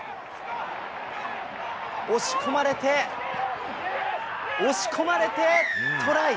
押し込まれて、押し込まれて、トライ。